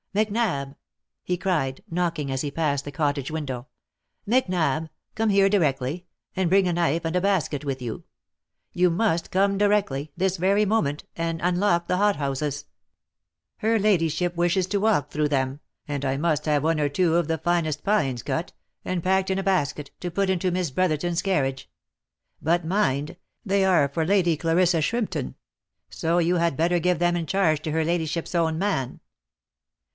" Macnab !" he cried,' knocking as he passed the cottage win dow, " Macnab ! come here directly, and bring a knife and a basket with you ; you must come directly — this very moment, and unlock the hot houses — her ladyship wishes to walk through them, and I must have one or two of the finest pines cut, and packed in a basket, to be put into Miss Brotherton's carriage : but mind, they are for Lady Clarissa Shrimpton ; so you had better give them in charge to her ladyship's own man."